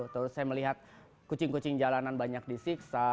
terus saya melihat kucing kucing jalanan banyak disiksa